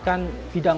selain mengisi situasi